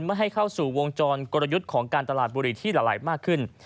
ไม่ให้เข้าสู่วงจรกลยุทธ์ของการตลาดบุรีที่ละลายมากขึ้น